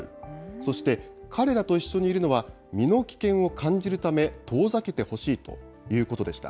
そして彼らと一緒にいるのは身の危険を感じるため、遠ざけてほしいということでした。